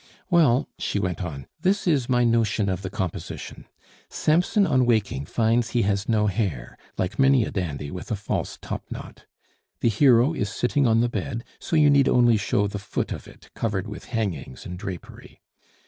"Well," she went on, "this is my notion of the composition. Samson on waking finds he has no hair, like many a dandy with a false top knot. The hero is sitting on the bed, so you need only show the foot of it, covered with hangings and drapery.